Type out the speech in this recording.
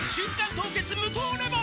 凍結無糖レモン」